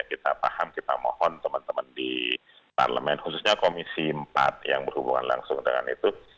kita paham kita mohon teman teman di parlemen khususnya komisi empat yang berhubungan langsung dengan itu